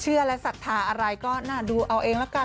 เชื่อและศรัทธาอะไรก็ดูเอาเองแล้วกัน